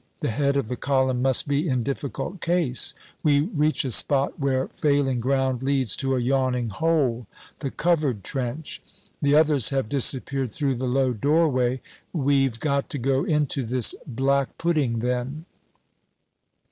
The head of the column must be in difficult case. We reach a spot where failing ground leads to a yawning hole the Covered Trench. The others have disappeared through the low doorway. "We've got to go into this blackpudding, then?"